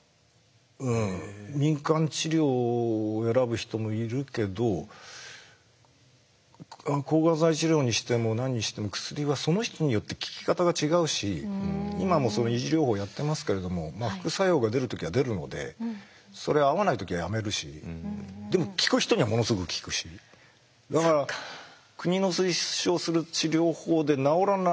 うん民間治療を選ぶ人もいるけど抗がん剤治療にしても何にしても薬はその人によって効き方が違うし今も維持療法をやってますけれども副作用が出る時は出るのでそれ合わない時はやめるしでも効く人にはものすごく効くしだから国の推奨する治療法で治らないこともあるかもしれない。